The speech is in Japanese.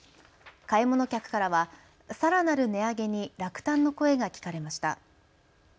買い物客からはさらなる値上げに落胆の声が聞かれました。